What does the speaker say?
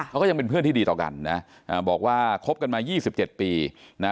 เขาก็ยังเป็นเพื่อนที่ดีต่อกันนะบอกว่าคบกันมา๒๗ปีนะ